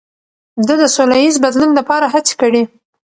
ده د سولهییز بدلون لپاره هڅې کړي.